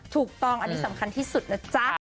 ถูกต้องอันนี้สำคัญที่สุดนะจ๊ะ